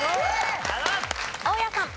大家さん。